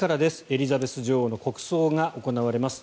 エリザベス女王の国葬が行われます。